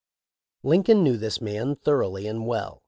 Lincoln knew his man thoroughly and well.